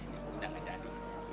gak mudah gak jadul